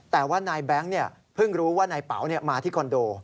แต่ว่านายแบงค์เพิ่งรู้ว่านายเป๋ามาที่คอนโด